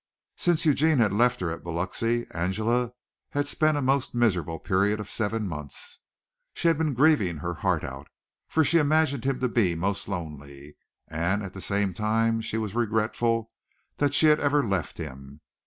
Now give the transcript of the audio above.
Since Eugene had left her at Biloxi, Angela had spent a most miserable period of seven months. She had been grieving her heart out, for she imagined him to be most lonely, and at the same time she was regretful that she had ever left him.